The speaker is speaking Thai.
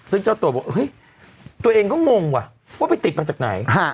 ซึ่งเจ้าตัวบอกเฮ้ยตัวเองก็งงว่ะว่าไปติดมาจากไหน